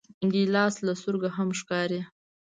ګیلاس له سترګو هم ښکاري.